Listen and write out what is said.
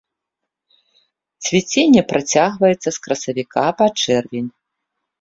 Цвіценне працягваецца з красавіка па чэрвень.